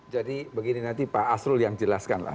jadi begini nanti pak asrul yang jelaskan